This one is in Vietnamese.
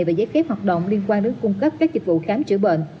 về giấy phép hoạt động liên quan đến cung cấp các dịch vụ khám chữa bệnh